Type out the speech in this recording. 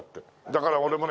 だから俺もね